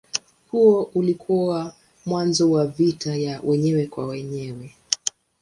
Huo ulikuwa mwanzo wa vita ya wenyewe kwa wenyewe.